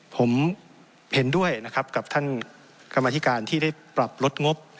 ผมเห็นด้วยนะครับกับท่านกรรมธิการที่ได้ปรับลดงบ